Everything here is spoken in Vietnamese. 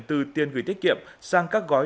từ tiền gửi tiết kiệm sang các gói